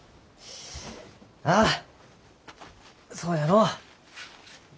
ああそうやのう。